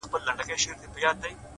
• څڼي سرې شونډي تكي تـوري سترگي،